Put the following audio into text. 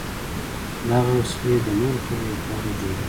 دغه وسلې د نورو خلکو لپاره جوړوي.